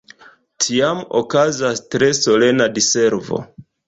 Tiam okazas tre solena Diservo.